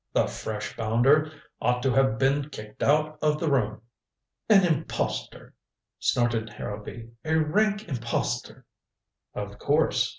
The fresh bounder! Ought to have been kicked out of the room." "An impostor," snorted Harrowby. "A rank impostor." "Of course." Mr.